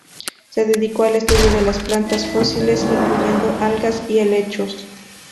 Se dedicó al estudio de las plantas fósiles, incluyendo algas y helechos.